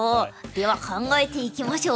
では考えていきましょう。